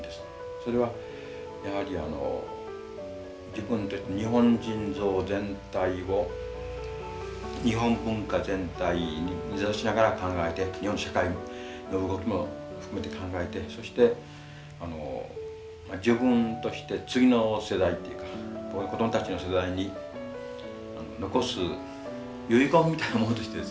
それはやはりあの自分で日本人像全体を日本文化全体に根ざしながら考えて日本社会の動きも含めて考えてそして自分として次の世代っていうか子供たちの世代に残す遺言みたいなものとしてですね